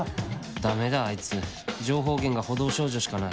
ダメだあいつ情報源が補導少女しかない